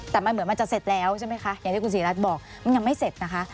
แต่มันเหมือนมันจะเสร็จแล้วใช่ไหมคะอย่างที่คุณศรีรัฐบอกมันยังไม่เสร็จนะคะ